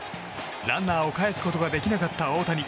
ランナーをかえすことができなかった大谷。